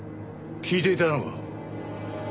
聞いていたのか。